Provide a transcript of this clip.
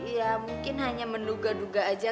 ya mungkin hanya menduga duga saja